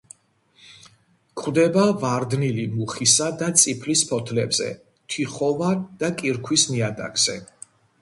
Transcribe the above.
გვხვდება ვარდნილი მუხისა და წიფლის ფოთლებზე, თიხოვან და კირქვის ნიადაგზე.